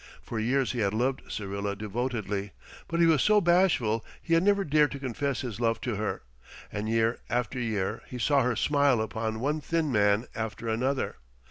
For years he had loved Syrilla devotedly, but he was so bashful he had never dared to confess his love to her, and year after year he saw her smile upon one thin man after another.